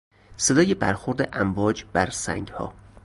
صدای برخورد امواج بر سنگها